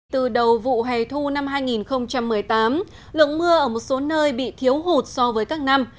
từ đầu vụ hè thu năm hai nghìn một mươi tám lượng mưa ở một số nơi bị thiếu hụt so với các năm